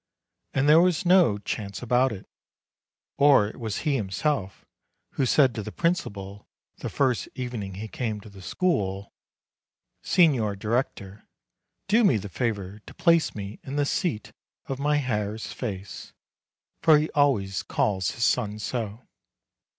And there was no chance about it, for it was he himself who said to the principal the first evening he came to the school : "Signer Director, do me the favor to place me in the seat of my 'hare's face.' For he always calls his son so.